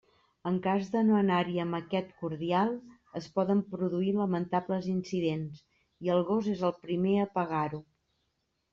En cas de no anar-hi amb aquest cordial, es poden produir lamentables incidents, i el gos és el primer a pagar-ho.